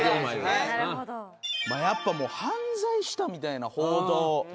やっぱもう犯罪したみたいな報道。